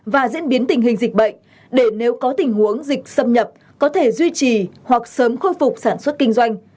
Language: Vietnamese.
và diễn biến tình hình dịch bệnh để nếu có tình huống dịch xâm nhập có thể duy trì hoặc sớm khôi phục sản xuất kinh doanh